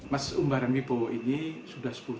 mas umbaran wibowo ini sudah sepuluh